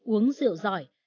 uống rượu giỏi